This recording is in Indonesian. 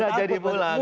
gak jadi pulang